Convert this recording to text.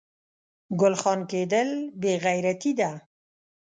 ګل خان کیدل بې غیرتي ده